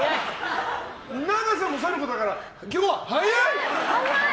長さもさることながら今日は早い！